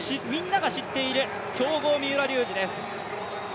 世界でもみんなが知っている強豪・三浦龍司です。